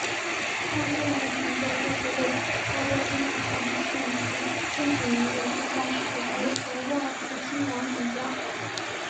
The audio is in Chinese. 它最大的成就就是为高多芬集团胜出千禧年的杜拜世界杯和威尔斯亲王锦标。